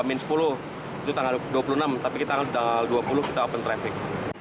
itu tanggal dua puluh enam tapi tanggal dua puluh kita open traffic